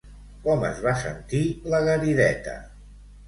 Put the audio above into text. Com es va sentir la Garideta?